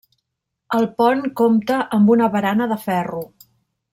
El pont compta amb una barana de ferro.